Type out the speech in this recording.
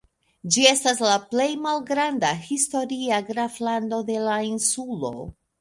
Ĝi estas la plej malgranda historia graflando de la insulo.